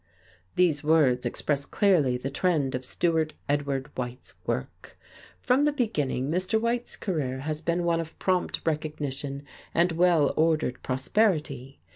These words express clearly the trend of Stewart Edward White's work. From the beginning, Mr. White's career has been one of prompt recognition and well ordered prosperity.